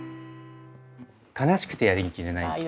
「悲しくてやりきれない」。